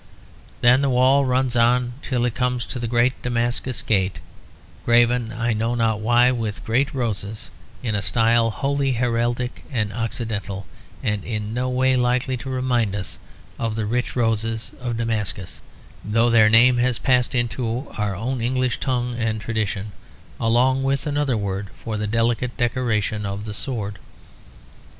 Then the wall runs on till it comes to the great Damascus Gate, graven I know not why with great roses in a style wholly heraldic and occidental, and in no way likely to remind us of the rich roses of Damascus; though their name has passed into our own English tongue and tradition, along with another word for the delicate decoration of the sword.